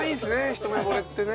一目惚れってね。